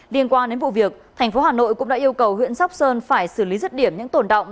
liên quan đến vụ việc tp hà nội cũng đã yêu cầu huyện sóc sơn phải xử lý rất điểm những tổn động